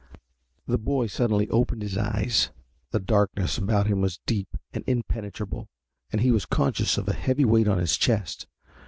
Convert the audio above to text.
The boy suddenly opened his eyes. The darkness about him was deep and impenetrable and he was conscious of a heavy weight on his chest.